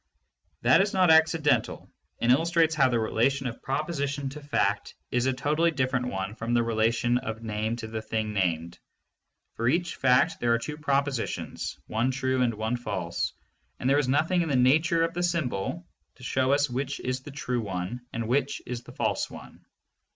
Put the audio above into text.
That is not accidental, and illus trates how the relation of proposition to fact is a totally different one from the relation of name to the thing named. For each fact there are two propositions, one true and one false, and there is nothing in the nature of the symbol to show us which is the true one and which is the false one.